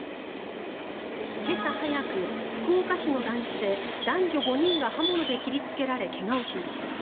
今朝早く福岡市の団地で男女５人が刃物で切りつけられ怪我をしました。